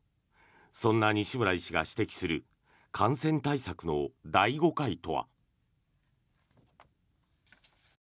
そんな西村医師が指摘する感染対策の大誤解とは。